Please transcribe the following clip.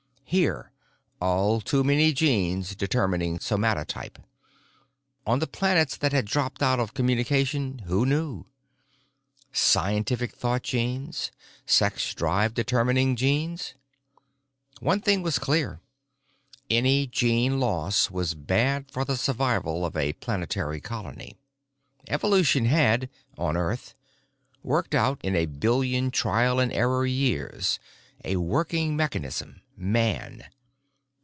Here, all too many genes determining somatotype. On the planets that had dropped out of communication, who knew? Scientific thought genes? Sex drive determining genes? One thing was clear: any gene loss was bad for the survival of a planetary colony. Evolution had——on Earth——worked out in a billion trial and error years a working mechanism, man.